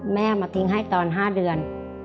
แม่มาทิ้งให้ตอน๕เดือน